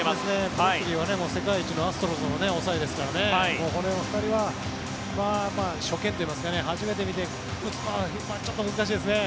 プレスリーは世界一のアストロズの抑えですからこの２人は初見といいますか初めて見て打つのはちょっと難しいですね。